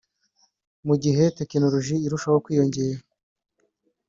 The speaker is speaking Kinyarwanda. Mu gihe tekinoloji irushaho kwiyongera